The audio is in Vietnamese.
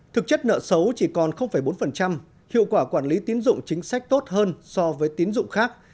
thực chất nợ xấu chỉ còn bốn hiệu quả quản lý tiến dụng chính sách tốt hơn so với tín dụng khác